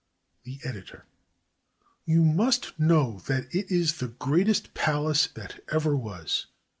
The Editor.] You must know that it is the greatest palace that ever was.